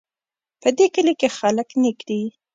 په دې کلي کې خلک نیک دي